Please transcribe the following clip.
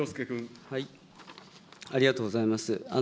ありがとうございます。